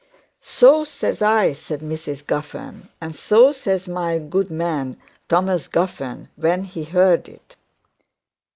'So says I,' said Mrs Guffern; 'and so says my good man Thomas Guffern, when he hear'd it.